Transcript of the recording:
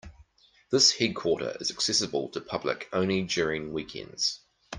This headquarter is accessible to public only during weekends.